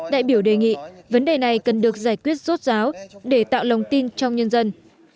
đại biểu đề nghị vấn đề này cần được giải quyết rốt ráo để tạo lòng tin trong nhân dân